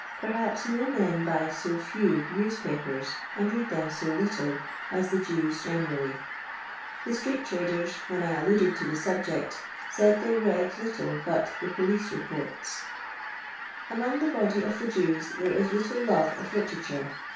Perhaps no men buy so few newspapers, and read them so little, as the Jews generally. The stree^trade^s, when I alluded to the subject, said they read little but the •* Tolice BeporU." Among the body of the Jews there is little love , of Literature.